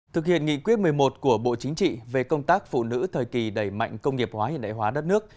thực hiện nghị quyết một mươi một của bộ chính trị về công tác phụ nữ thời kỳ đẩy mạnh công nghiệp hóa hiện đại hóa đất nước